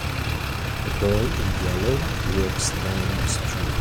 A boy in yellow walks down the street.